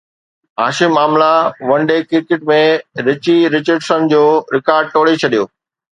Hashim Amla one day cricket ۾ Richie Richardson جو record ٽوڙي ڇڏيو